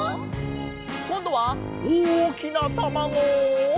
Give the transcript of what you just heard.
こんどはおおきなたまご！